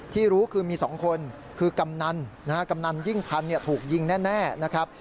ที่รู้คือมี๒คนคือกำนันนะฮะกำนันยิ่งพันธุ์ถูกยิงแน่นะครับ